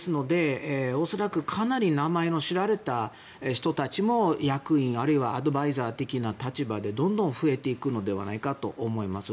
恐らくかなり名前の知られた人たちも役員、あるいはアドバイザー的な立場でどんどん増えていくのではないかと思います。